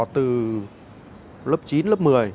từ lớp chín lớp một mươi